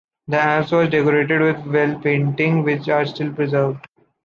The apse was decorated with wall paintings, which are still preserved.